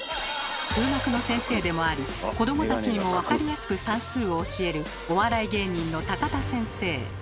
数学の先生でもあり子どもたちにもわかりやすく算数を教えるお笑い芸人のタカタ先生。